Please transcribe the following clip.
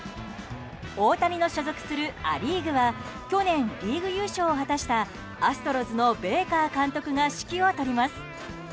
大谷の所属するア・リーグは去年リーグ優勝を果たしたアストロズのベーカー監督が指揮を執ります。